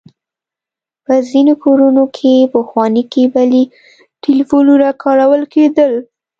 په ځينې کورونو کې پخواني کيبلي ټليفونونه کارول کېدل.